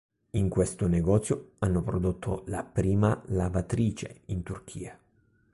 In questo negozio hanno prodotto la prima lavatrice in Turchia.